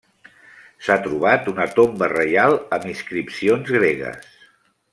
S'ha trobat una tomba reial amb inscripcions gregues.